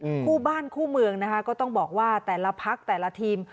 คู่บ้านคู่เมืองนะคะก็ต้องบอกว่าแต่ละพักแต่ละทีม